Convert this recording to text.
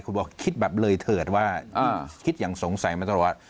คุณบอกคิดแบบเลยเถิดว่าคิดอย่างสงสัยมาตลอด